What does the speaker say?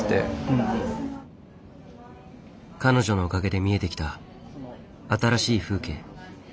彼女のおかげで見えてきた新しい風景。